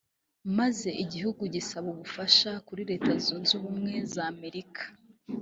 maze igihugu gisaba ubufasha kuri Leta zunze ubumwe za Amerika